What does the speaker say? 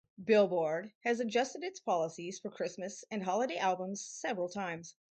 "Billboard" has adjusted its policies for Christmas and holiday albums several times.